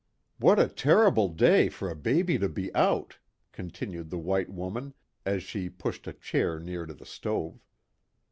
"What a terrible day for a baby to be out!" continued the white woman, as she pushed a chair near to the stove.